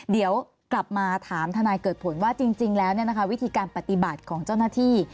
เดี๋ยวกลับมาถามทนายเกิดผลว่าจริงแล้ววิธีการปฏิบัติของเจ้าหน้าที่